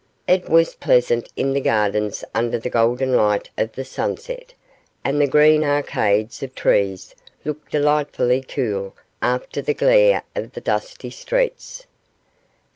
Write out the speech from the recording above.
It was pleasant in the gardens under the golden light of the sunset, and the green arcades of trees looked delightfully cool after the glare of the dusty streets.